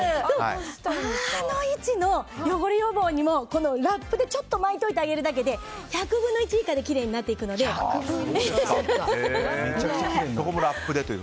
あの位置の汚れ予防にもラップでちょっと巻いておいてあげるだけで１００分の１以下でそこもラップでと。